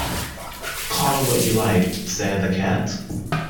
‘Call it what you like,’ said the Cat.